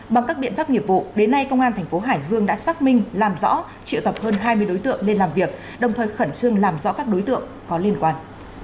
bằng các biện pháp nghiệp vụ đến nay công an thành phố hải dương đã xác minh làm rõ triệu tập hơn hai mươi đối tượng lên làm việc đồng thời khẩn trương làm rõ các đối tượng có liên quan